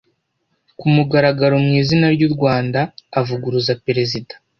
ku mugaragaro mu izina ry'u rwanda avuguruza perezida